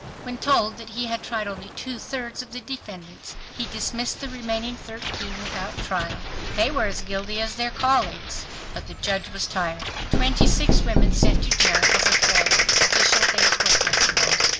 When told that he had tried only two thirds of the defendants, he dismissed the remaining thirteen without trial! They were as guilty as their colleagues. But the judge was tired. Twenty six women sent to jail is a full judicial day's work, I suppose.